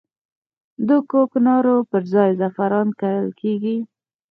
د کوکنارو پر ځای زعفران کرل کیږي